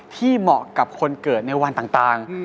เหมาะกับคนเกิดในวันต่าง